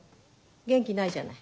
元気ないじゃない。